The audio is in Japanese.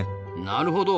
なるほど。